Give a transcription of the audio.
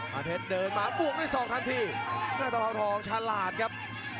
ปาเทศเดินมามุ่งด้วยสองทันทีตะพาวทองศูนย์ชาลาดครับ